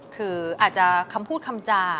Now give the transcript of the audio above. คืออาจจะคำพูดคำจา